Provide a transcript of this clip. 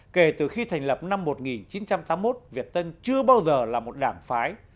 kể từ khi thành lập năm một nghìn chín trăm tám mươi một việt tân chưa bao giờ là một đảng phái